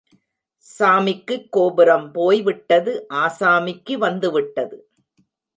சாமிக்குக் கோபுரம் போய் விட்டது ஆசாமிக்கு வந்துவிட்டது.